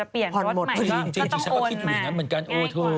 พันหมดจริงฉันก็คิดอย่างนั้นเหมือนกันโอ้โธ่